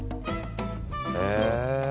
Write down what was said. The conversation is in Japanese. へえ。